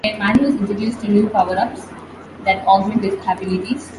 Mario is introduced to new power-ups that augment his abilities.